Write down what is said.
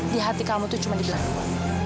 di hati kamu itu cuma di belakang